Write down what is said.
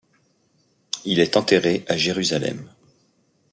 Il est enterré à Jérusalem.